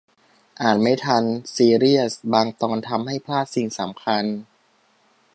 อ่านไม่ทัน ซีเรียส บางตอนทำให้พลาดสิ่งสำคัญ